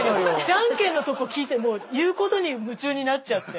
じゃんけんのとこ聞いてもう言うことに夢中になっちゃって。